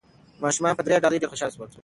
ماشومان په دې ډالیو ډېر خوشاله شول.